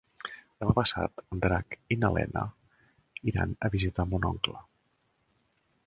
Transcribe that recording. Demà passat en Drac i na Lena iran a visitar mon oncle.